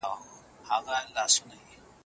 تعلیمي پروګرامونه د سیمې د مسایلو لپاره جوړيږي.